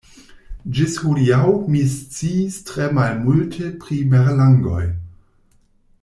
Ĝis hodiaŭ mi sciis tre malmulte pri merlangoj.